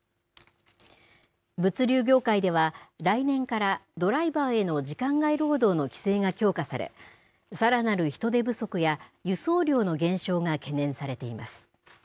物流業界では来年からドライバーへの時間外労働の規制が強化されさらなる人手不足や輸送量の減少が懸念されています。